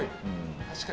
確かに。